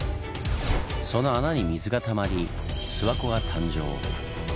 その穴に水がたまり諏訪湖が誕生。